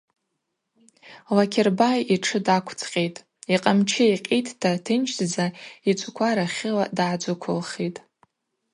Лакербай йтшы даквцӏкъьитӏ, йкъамчы йкъьитӏта тынчдза йчӏвква рахьыла дгӏаджвыквылхитӏ.